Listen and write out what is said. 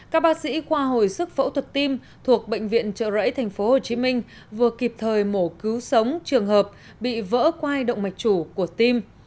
các bác sĩ khoa hồi sức phẫu thuật tim thuộc bệnh viện trợ rẫy tp hcm vừa kịp thời mổ cứu sống trường hợp bị vỡ qua động mạch chủ của tim